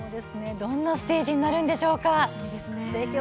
どんなステージになるんでしょうか。